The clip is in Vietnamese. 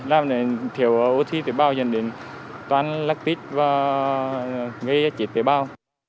làm thiểu oxy tế bào dần đến toàn lactic và gây chết tế bào